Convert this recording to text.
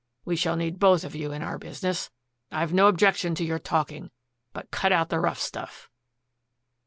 We shall need both of you in our business. I've no objection to your talking; but cut out the rough stuff."